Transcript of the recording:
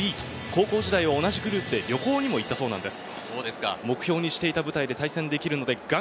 高校時代は同じグループで旅行にも行ったそうです。